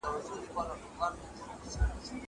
زه مېوې راټولې کړي دي.